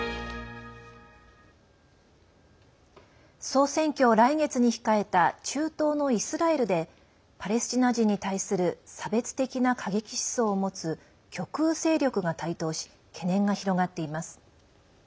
総選挙を来月に控えた中東のイスラエルでパレスチナ人に対する差別的な過激思想を持つ極右勢力が台頭し懸念が広がっています。